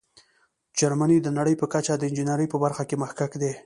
جرمني د نړۍ په کچه د انجینیرۍ په برخه کې مخکښ دی.